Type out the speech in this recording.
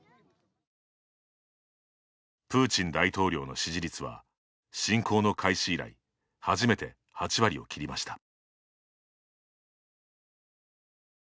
プーチン大統領の支持率は侵攻の開始以来初めて８割を切りました。